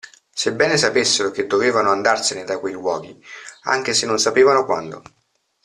Sebbene sapessero che dovevano andarsene da quei luoghi, anche se non sapevano quando.